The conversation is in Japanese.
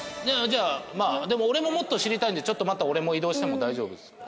じゃあまあでも俺ももっと知りたいんでちょっとまた俺も移動しても大丈夫ですか？